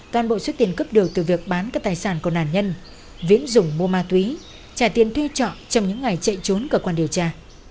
toàn bộ xuất tiền cướp đều từ việc bán các tài sản của nạn nhân viễn dùng mua ma túy trả tiền thuê trọng trong những ngày chạy trốn cơ quan điều tra